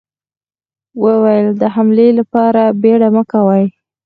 ويې ويل: د حملې له پاره بيړه مه کوئ!